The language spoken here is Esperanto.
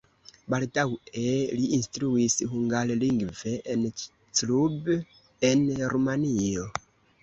Baldaŭe li instruis hungarlingve en Cluj, en Rumanio.